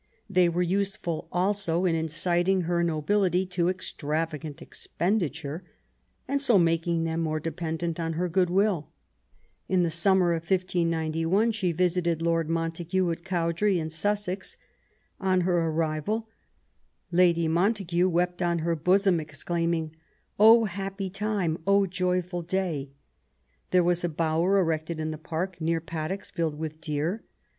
They were useful also as inciting her nobility to extravkgant expenditure, and so making them more dependent on her goodwill. In the summer of 1591 she visited Lord Montague at Cowdray in Sussex. On her arrival, Lady Mon tague wept on her bosom, exclaiming :Oh happy time ! oh joyful day !" There was a bower erected in the park, near paddocks filled with deer.